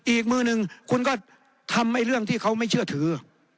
อีกมือหนึ่งคุณก็ทำให้เรื่องที่เขาไม่เชื่อถือ